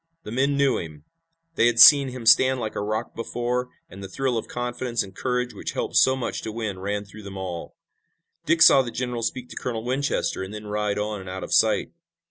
The men knew him. They had seen him stand like a rock before, and the thrill of confidence and courage which help so much to win ran through them all. Dick saw the general speak to Colonel Winchester and then ride on and out of sight.